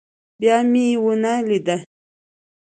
بيا مې ونه ليده.